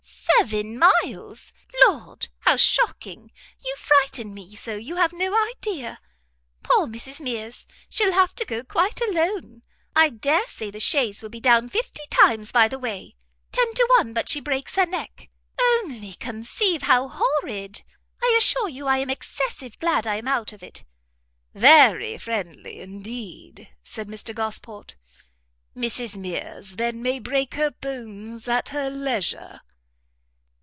"Seven miles! Lord, how shocking! you frighten me so you have no idea. Poor Mrs Mears! She'll have to go quite alone. I dare say the chaise will be down fifty times by the way. Ten to one but she breaks her neck! only conceive how horrid! I assure you I am excessive glad I am out of it." "Very friendly, indeed!" said Mr Gosport. "Mrs Mears, then, may break her bones at her leisure!"